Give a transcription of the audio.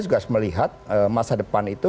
juga melihat masa depan itu